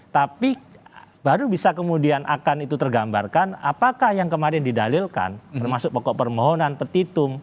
tapi baru bisa kemudian akan itu tergambarkan apakah yang kemarin didalilkan termasuk pokok permohonan petitum